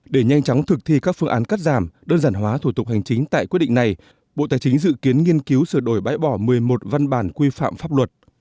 để nhanh chóng thực thi các phương án cắt giảm đơn giản hóa thủ tục hành chính tại quyết định này bộ tài chính dự kiến nghiên cứu sửa đổi bãi bỏ một mươi một văn bản quy phạm pháp luật